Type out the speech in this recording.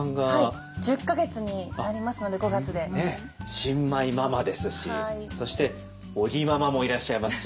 新米ママですしそして尾木ママもいらっしゃいますし。